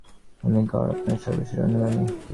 আমি গর, আপনার সর্বশেষ অনুগামী।